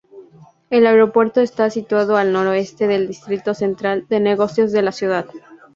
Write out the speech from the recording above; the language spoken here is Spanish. El aeropuerto está situado al noreste del distrito central de negocios de la ciudad.